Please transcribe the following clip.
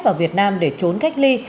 vào việt nam để trốn cách ly